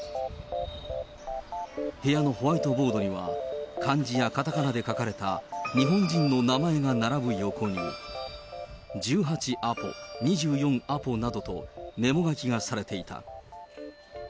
部屋のホワイトボードには、漢字やカナカナで書かれた、日本人の名前が並ぶ横に、１８アポ、２４アポなどと、メモ書きがされていた。